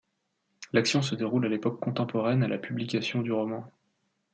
L'action se déroule à l'époque contemporaine à la publication du roman.